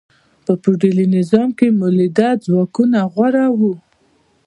په فیوډالي نظام کې مؤلده ځواکونه غوره وو.